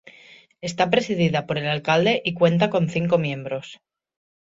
Está presidida por el alcalde y cuenta con cinco miembros.